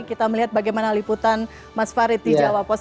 kita melihat bagaimana liputan mas farid di jawapos